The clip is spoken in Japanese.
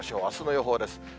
あすの予報です。